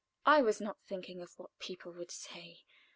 I was not thinking of what people would say.